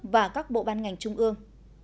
và các bộ ban ngành trung ương